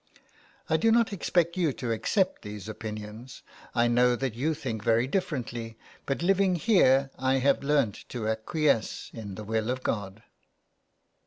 I do not expect you to accept these opinions. I know that you think very differently, but living here I have learned to acquiesce in the will of God."